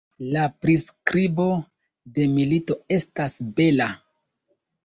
La priskribo de milito estas bela.